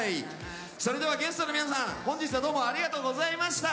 それではゲストの皆さん、本日はどうもありがとうございました。